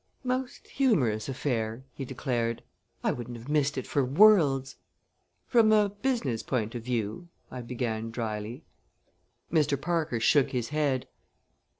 "Most humorous affair!" he declared. "I wouldn't have missed it for worlds." "From a business point of view " I began dryly. Mr. Parker shook his head.